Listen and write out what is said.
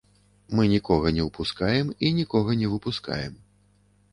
Мы нікога не ўпускаем і нікога не выпускаем.